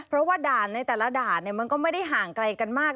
เพราะว่าด่านในแต่ละด่านมันก็ไม่ได้ห่างไกลกันมาก